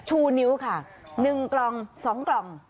ชูนิ้วค่ะ๑กล่อง๒กล่อง